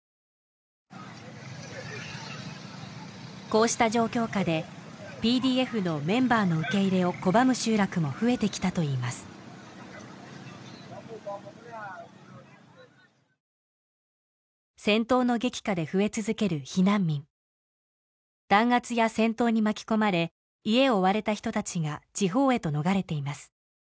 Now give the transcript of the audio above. こうした状況下でＰＤＦのメンバーの受け入れを拒む集落も増えてきたといいます戦闘の激化で増え続ける避難民弾圧や戦闘に巻き込まれ家を追われた人たちが地方へと逃れています